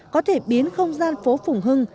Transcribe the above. có thể biến không gian phố phủng hưng